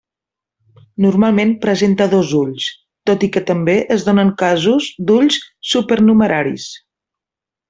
Normalment presenta dos ulls, tot i que també es donen casos d'ulls supernumeraris.